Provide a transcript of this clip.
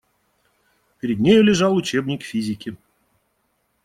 Перед нею лежал учебник физики.